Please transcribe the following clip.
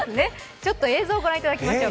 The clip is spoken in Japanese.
ちょっと映像を御覧いただきましょう。